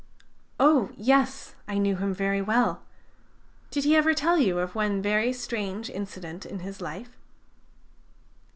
"Oh, yes, I knew him very well. Did he ever tell you of one very strange incident in his life?"